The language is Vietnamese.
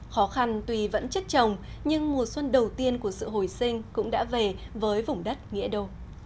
khó khăn tuy vẫn chết chồng nhưng mùa xuân đầu tiên của sự hồi sinh cũng đã về với vùng đất nghĩa đô